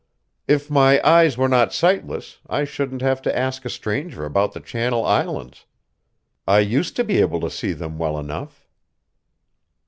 "If my eyes were not sightless, I shouldn't have to ask a stranger about the Channel Islands. I used to be able to see them well enough."